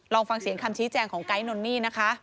ลองฟังเสียงคำชี้แจงของไกด์นนนี่นะคะ